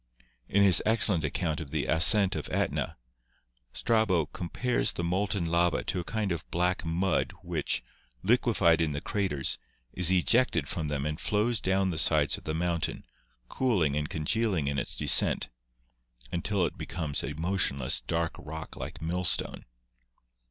In his excellent account of the ascent of Etna, Strabo compares the molten lava to a kind of black mud which, liquefied in the craters, is ejected from them and flows down the sides of the mountain, cooling and con gealing in its descent, until it becomes a motionless dark rock like millstone.